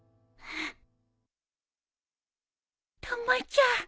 たまちゃん